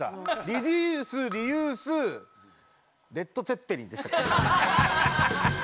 リデュースリユースレッド・ツェッペリンでしたっけ。